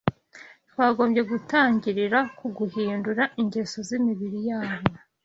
twagombye gutangirira ku guhindura ingeso z’imibiri yabo.